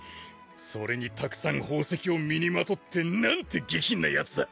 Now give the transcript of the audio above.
それにたくさん宝石を身にまとってなんて下品なヤツだ。